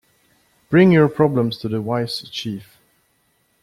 Bring your problems to the wise chief.